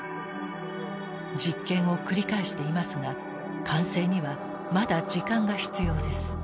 実験を繰り返していますが完成にはまだ時間が必要です。